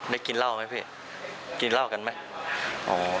กินเหล้าไหมพี่กินเหล้ากันไหม